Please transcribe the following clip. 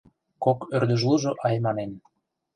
— Кок ӧрдыжлужо айманен...